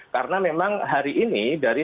karena memang hari ini dari